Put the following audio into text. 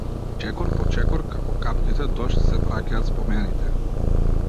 Чекот по чекор како капките дожд се враќаат спомените.